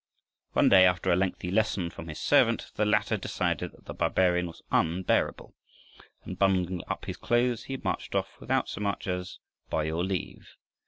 One day, after a lengthy lesson from his servant, the latter decided that the barbarian was unbearable, and bundling up his clothes he marched off, without so much as "by your leave."